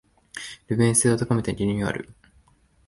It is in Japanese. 利便性を高めてリニューアル